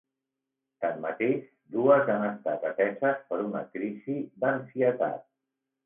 Tanmateix, dues han estat ateses per una crisi d’ansietat.